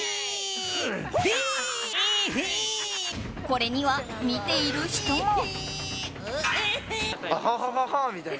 これには、見ている人も。